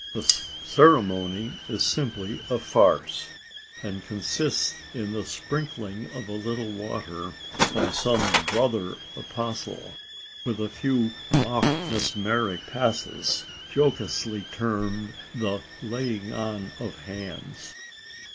The ceremony is simply a farce; and consists in the sprinkling of a little water by some brother apostle, with a few mock mesmeric passes jocosely termed the "laying on of hands!"